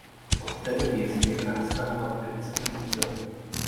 Od té doby je sbírka vystavena v Britském muzeu.